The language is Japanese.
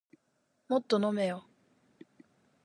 もっと飲めよ